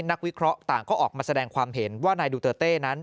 นักวิเคราะห์ต่างก็ออกมาแสดงความเห็นว่านายดูเตอร์เต้นั้น